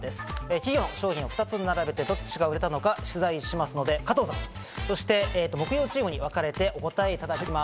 企業の商品を２つ並べて、どっちが売れたのか取材しますので、加藤さん、そして木曜チームにわかれてお答えいただきます。